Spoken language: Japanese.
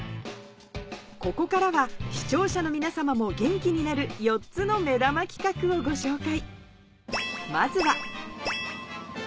ここからは視聴者の皆様も元気になる４つの目玉企画をご紹介